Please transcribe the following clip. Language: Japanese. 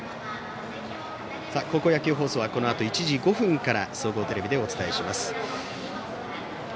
高校野球放送はこのあと１時５分から総合テレビでお伝えします。